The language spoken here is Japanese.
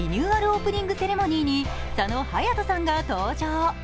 オープニングセレモニーに佐野勇斗さんが登場。